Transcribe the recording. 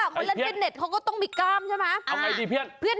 คนเล่นฟิตเน็ตเขาก็ต้องมีกล้ามใช่ไหมเอาไงดีเพื่อน